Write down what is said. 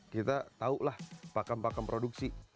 kita tau lah pakam pakam produksi